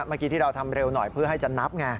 เมื่อกี้ที่เราทำเร็วหน่อยเพื่อให้จะนับไง